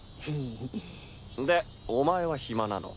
でお前は暇なの？